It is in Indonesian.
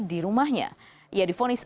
di rumahnya ia difonis